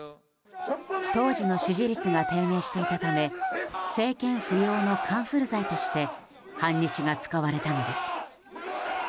当時の支持率が低迷していたため政権浮揚のカンフル剤として反日が使われたのです。